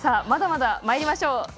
まだまだまいりましょう。